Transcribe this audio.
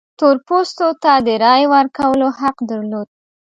تور پوستو ته د رایې ورکولو حق درلود.